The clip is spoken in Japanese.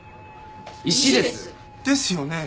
石です。ですよね。